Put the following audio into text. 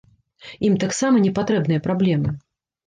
Ім таксама не патрэбныя праблемы.